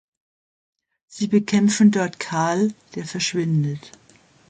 Sie bekämpfen dort Kal, der verschwindet.